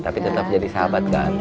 tapi tetap jadi sahabat kan